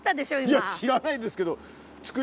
いや知らないですけど。